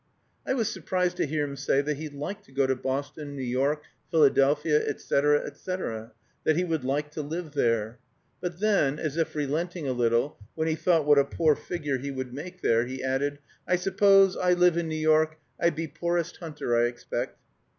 I was surprised to hear him say that he liked to go to Boston, New York, Philadelphia, etc., etc.; that he would like to live there. But then, as if relenting a little, when he thought what a poor figure he would make there, he added, "I suppose, I live in New York, I be poorest hunter, I expect."